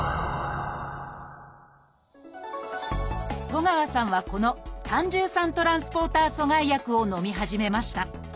東川さんはこの胆汁酸トランスポーター阻害薬をのみ始めました。